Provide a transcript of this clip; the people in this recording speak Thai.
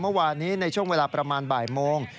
เมื่อวานนี้ในช่วงเวลาประมาณบ่ายโมง